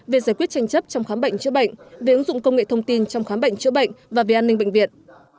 về giải quyết tranh chấp trong khám bệnh chữa bệnh về ứng dụng công nghệ thông tin trong khám bệnh chữa bệnh và về an ninh bệnh viện